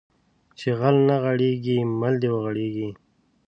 چې غل نه غېړيږي مل د وغړيږي